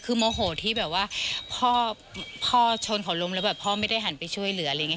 คือโมโหที่แบบว่าพ่อชนเขาล้มแล้วแบบพ่อไม่ได้หันไปช่วยเหลืออะไรอย่างนี้